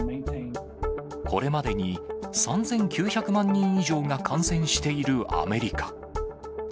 これまでに３９００万人以上が感染しているアメリカ。